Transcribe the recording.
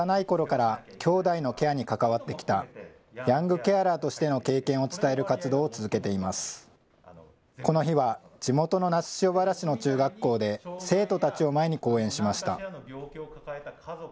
この日は地元の那須塩原市の中学校で生徒たちを前に講演しました。